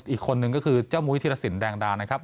อีกคนนึงก็คือเจ้ามุ้ยธิรสินแดงดานะครับ